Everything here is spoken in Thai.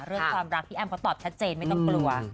เรื่องความรักพี่แอมเขาตอบชัดเจนไม่ต้องกลัว